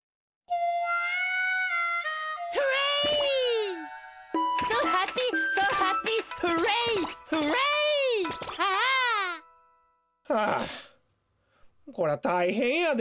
Ｈａｈａ！はあこりゃたいへんやで。